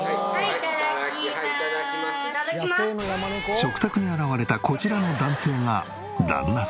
食卓に現れたこちらの男性が旦那様。